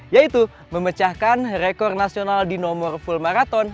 yaitu memecahkan rekor nasional di nomor full marathon